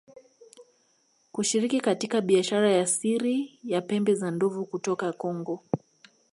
kushiriki katika biashara ya siri ya pembe za ndovu kutoka Kongo